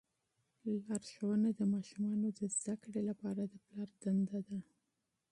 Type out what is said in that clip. راهنمایي کول د ماشومانو د زده کړې لپاره د پلار دنده ده.